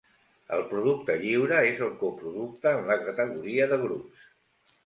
El producte lliure és el coproducte en la categoria de grups.